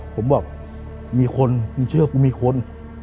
ผมบอกมีคนมึงเชื่อกูมีคน